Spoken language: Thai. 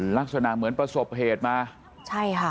ลักษณะเหมือนประสบเหตุมาใช่ค่ะ